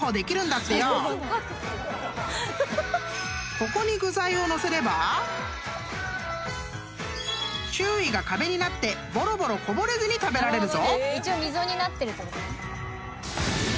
［ここに具材を載せれば周囲が壁になってぼろぼろこぼれずに食べられるぞ］